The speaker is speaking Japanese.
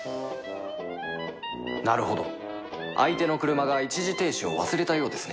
なるほど相手の車が一時停止を忘れたようですね